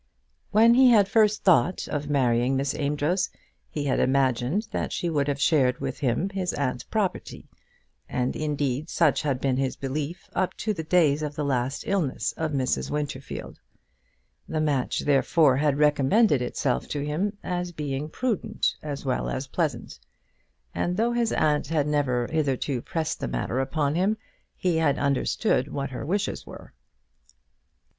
When he had first thought of marrying Miss Amedroz he had imagined that she would have shared with him his aunt's property, and indeed such had been his belief up to the days of the last illness of Mrs. Winterfield. The match therefore had recommended itself to him as being prudent as well as pleasant; and though his aunt had never hitherto pressed the matter upon him, he had understood what her wishes were.